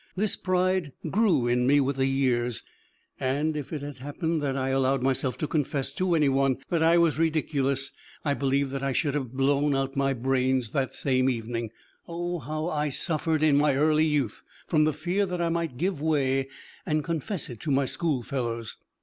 This pride grew in me with the years; and if it had happened that I allowed myself to confess to any one that I was ridiculous, I believe that I should have blown out my brains the same evening. Oh, how I suffered in my early youth from the fear that I might give way and confess it to my schoolfellows.